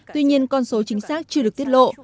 tuy nhiên con số chính xác chưa được tiết lộ